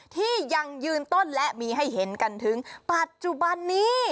ที่ยังยืนต้นและมีให้เห็นกันถึงปัจจุบันนี้